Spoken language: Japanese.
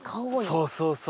そうそうそう。